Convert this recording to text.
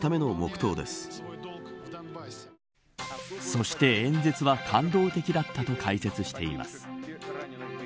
そして、演説は感動的だったと解説しています。